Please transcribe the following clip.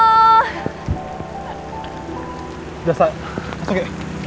udah sa masuk ya